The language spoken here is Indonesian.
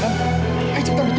ayo kita mencari